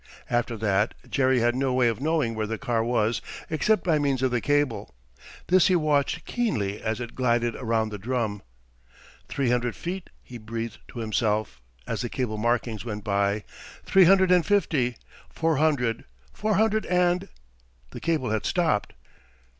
After that Jerry had no way of knowing where the car was except by means of the cable. This he watched keenly as it glided around the drum. "Three hundred feet," he breathed to himself, as the cable markings went by, "three hundred and fifty, four hundred; four hundred and——" The cable had stopped.